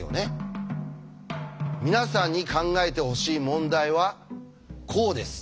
皆さんに考えてほしい問題はこうです。